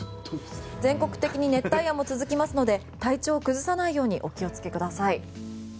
全国的に熱帯夜も続きますので体調を崩さないようにお気を付けください。